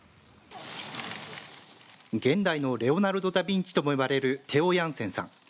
現代のレオナルド・ダ・ヴィンチともいわれるテオ・ヤンセンさん。